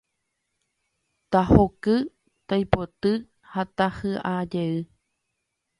Tahoky, taipoty ha tahi'ajey